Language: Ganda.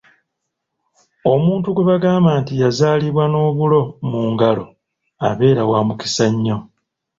Omuntu gwe bagamba nti yazaalibwa n’obulo mu ngalo abeera wa mukisa nnyo.